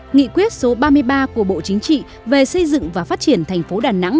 nghị quyết số ba mươi ba của bộ chính trị về xây dựng và phát triển thành phố đà nẵng